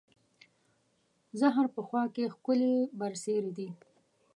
زهر په خوا کې، ښکلې برسېرې دي